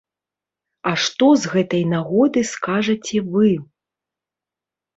А што з гэтай нагоды скажаце вы?